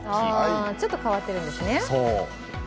ちょっと変わってるんですね。